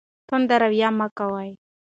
تند رویه مه کوئ.